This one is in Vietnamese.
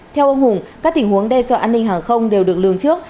theo ông hùng các tình huống đe dọa an ninh hàng không đều được lường trước